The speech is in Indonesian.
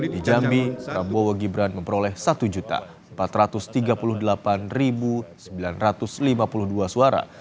di jambi prabowo gibran memperoleh satu empat ratus tiga puluh delapan sembilan ratus lima puluh dua suara